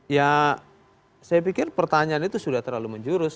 ya saya pikir pertanyaan itu sudah terlalu menjurus